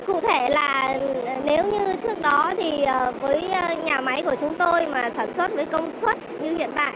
cụ thể là nếu như trước đó thì với nhà máy của chúng tôi mà sản xuất với công suất như hiện tại